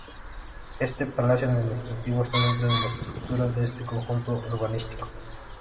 Este palacio administrativo está dentro de la estructura de este conjunto urbanístico.